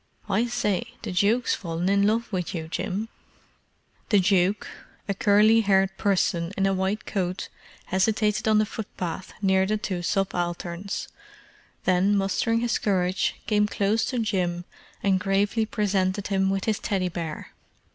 "I say, the duke's fallen in love with you, Jim." "The duke," a curly haired person in a white coat, hesitated on the footpath near the two subalterns, then mustering his courage, came close to Jim and gravely presented him with his Teddy bear.